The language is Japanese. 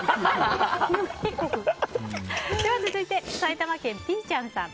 続いて、埼玉県の方。